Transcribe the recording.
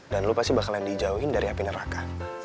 dan lu pasti bakalan dijauhin dari api neraka